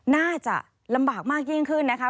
น่าจะลำบากมากยิ่งขึ้นนะคะ